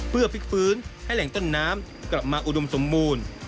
เพื่อพลิกฟื้นให้แหล่งต้นน้ำกลับมาอุดมสมบูรณ์